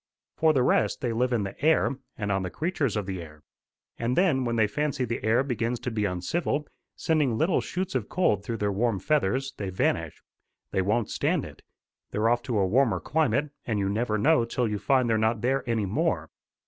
For the rest, they live in the air, and on the creatures of the air. And then, when they fancy the air begins to be uncivil, sending little shoots of cold through their warm feathers, they vanish. They won't stand it. They're off to a warmer climate, and you never know till you find they're not there any more.